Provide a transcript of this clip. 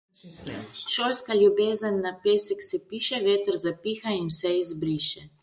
Šolska ljubezen na pesek se piše, veter zapiha in vse izbriše.